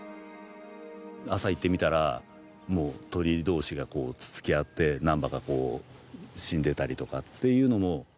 朝行ってみたらもう鶏同士がつつき合って何羽かこう死んでたりとかっていうのもありますよね。